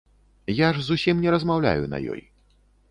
Я ж зусім не размаўляю на ёй.